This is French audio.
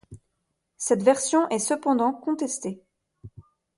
Cette version est cependant contestée.